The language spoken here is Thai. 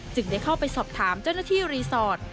ได้เข้าไปสอบถามเจ้าหน้าที่รีสอร์ท